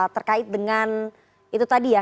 terkait dengan itu tadi ya